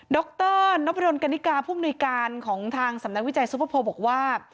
รนพดลกนิกาผู้มนุยการของทางสำนักวิจัยซุปเปอร์โพลบอกว่า